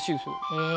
へえ。